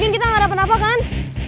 kita gak ada penapa kan